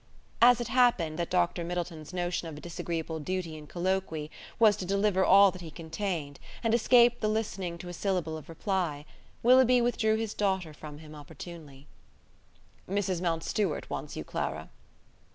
As it happened that Dr. Middleton's notion of a disagreeable duty in colloquy was to deliver all that he contained, and escape the listening to a syllable of reply, Willoughby withdrew his daughter from him opportunely. "Mrs. Mountstuart wants you, Clara."